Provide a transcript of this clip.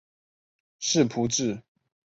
世仆制起源于封建社会的蓄奴制。